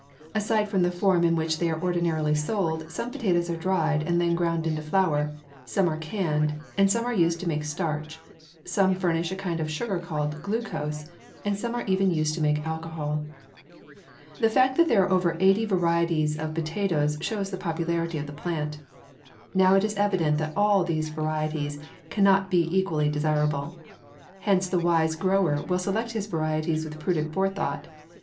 Aside from the form in which they are ordinarily sold, some potatoes are dried and then ground into flour, some are canned, some are used to make starch, some furnish a kind of sugar called glucose, and some are even used to make alcohol. The fact that there are over eighty varieties of potatoes shows the popularity of the plant. Now it is evident that all of these varieties cannot be equally desirable. Hence the wise grower will select his varieties with prudent forethought.